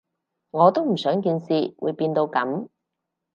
我都唔想件事會變到噉